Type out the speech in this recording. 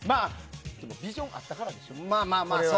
でもビジョンあったからでしょ。